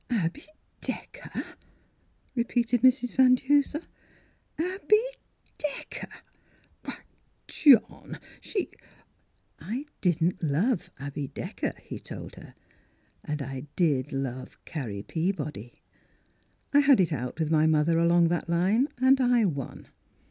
" Abby Decker," repeated Mrs. Van Duser. " Abby — Decker ! Why, John, she —" "I didn't love Abby Decker," he told her, " and I did love Carrie Peabody. I had it out with my mother along that line, and I won.